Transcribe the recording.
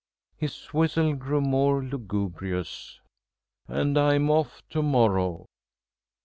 His whistle grew more lugubrious. "And I'm off to morrow!"